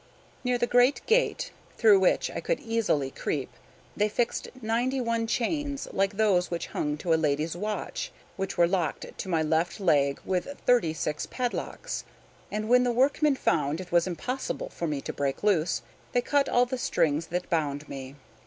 Near the great gate, through which I could easily creep, they fixed ninety one chains, like those which hang to a lady's watch, which were locked to my left leg with thirty six padlocks; and when the workmen found it was impossible for me to break loose, they cut all the strings that bound me.